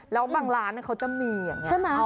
แล้วบางร้านเขาจะมีอย่างนี้